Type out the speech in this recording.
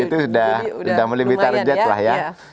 itu sudah mulai bitarjet lah ya